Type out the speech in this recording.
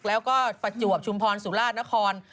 แล้วก็ประจวบชุมพรสุราชนคร